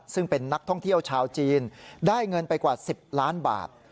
ซึ่งเป็นนักท่องเที่ยวชาวจีนได้เงินไปกว่า๑๐ล้านบาท